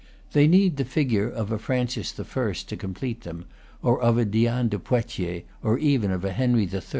They need the figure of a Francis I. to complete them, or of a Diane de Poitiers, or even of a Henry III.